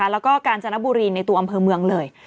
แล้วก็กาญจนบุรีในตัวอำเภอเมืองเลย